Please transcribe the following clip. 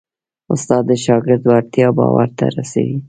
استاد د شاګرد وړتیا باور ته رسوي.